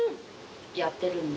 やってるんで。